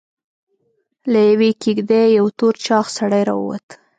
له يوې کېږدۍ يو تور چاغ سړی راووت.